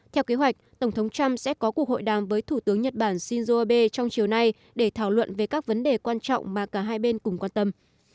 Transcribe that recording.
theo kế hoạch tổng thống trump sẽ có cuộc hội đàm với thủ tướng nhật bản shinzo abe trong chiều nay để thảo luận về các vấn đề quan trọng mà cả hai bên cùng quan tâm